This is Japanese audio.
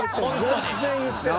全然言ってない。